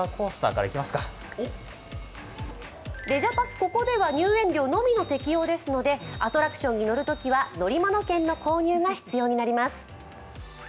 ここでは入園料のみの適用ですので、アトラクションに乗るときはのりもの券の購入が必要になります。